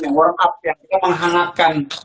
yang war up yang kita menghangatkan